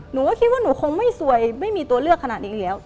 หนูก็คิดว่าหนูคงไม่สวยไม่มีตัวเลือกขนาดนี้อีกแล้ว